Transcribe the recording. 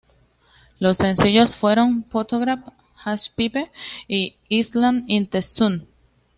Los sencillos fueron "Photograph", "Hash Pipe" y "Island in the Sun".